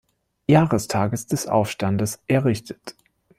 Jahrestages des Aufstandes errichtet.